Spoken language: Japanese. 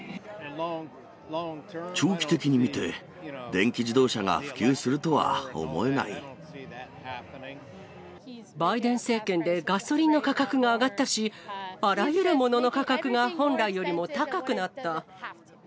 長期的に見て、電気自動車がバイデン政権でガソリンの価格が上がったし、あらゆるものの価格が本来よりも高くなった。